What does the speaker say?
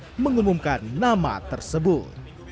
untuk mengumumkan nama tersebut